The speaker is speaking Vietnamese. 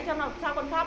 không trả lời cho mẹ